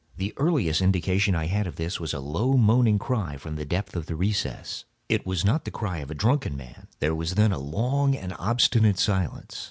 The earliest indication I had of this was a low moaning cry from the depth of the recess. It was not the cry of a drunken man. There was then a long and obstinate silence.